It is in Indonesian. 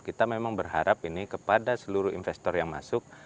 kita memang berharap ini kepada seluruh investor yang masuk